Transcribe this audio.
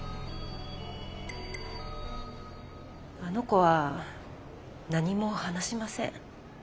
あの子は何も話しません。